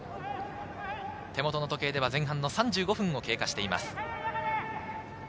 手元の時計では前半３５分を経過しています。